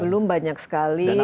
belum banyak sekali